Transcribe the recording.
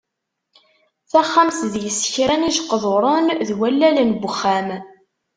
Taxxamt deg-s kra n yijeqḍuren d wallalen n uxxam.